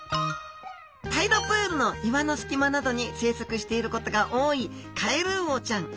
タイドプールの岩のすき間などに生息していることが多いカエルウオちゃん。